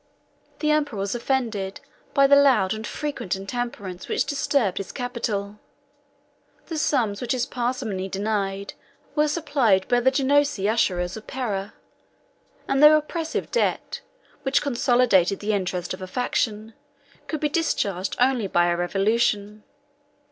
The emperor was offended by the loud and frequent intemperance which disturbed his capital; the sums which his parsimony denied were supplied by the Genoese usurers of Pera; and the oppressive debt, which consolidated the interest of a faction, could be discharged only by a revolution.